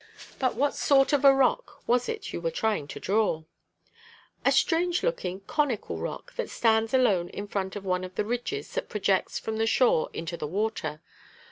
But what sort of a rock was it you were trying to draw?" "A strange looking, conical rock, that stands alone in front of one of the ridges that project from the shore into the water.